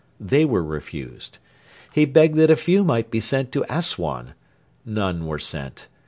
They were refused. He begged that a few might be sent to Assuan. None were sent.